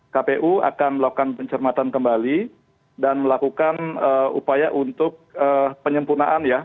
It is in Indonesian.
kpu akan melakukan pencermatan kembali dan melakukan upaya untuk penyempurnaan ya